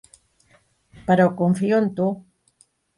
Però confio en tu.